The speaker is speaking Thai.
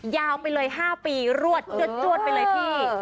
ยาวไปเลย๕ปีรวดจวดไปเลยพี่